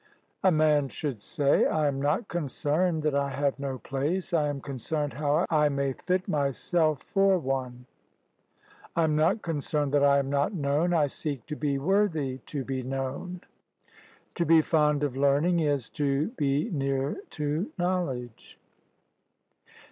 A man should say, "I am not concerned that I have no place; I am concerned how I may fit myself for one. I am not concerned that I am not known; I seek to be worthy to be known." To be fond of learning is to be near to knowledge.